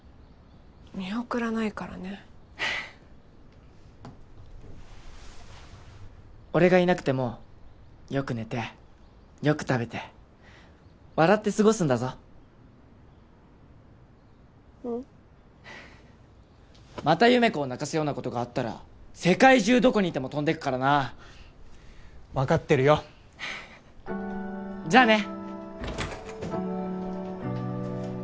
見送らないからね俺がいなくてもよく寝てよく食べて笑って過ごすんだぞうんまた優芽子を泣かすようなことがあったら世界中どこにいても飛んでくからな分かってるよじゃあね